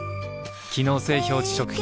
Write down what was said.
機能性表示食品